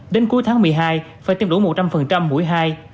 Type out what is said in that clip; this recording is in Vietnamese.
đến cuối tháng một mươi hai phải tiêm đủ một trăm linh mũi hai